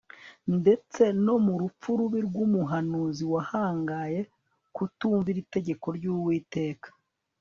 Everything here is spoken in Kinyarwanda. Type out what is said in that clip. ndetse no mu rupfu rubi rwumuhanuzi wahangaye kutumvira itegeko ryUwiteka